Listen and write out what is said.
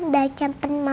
udah campur mama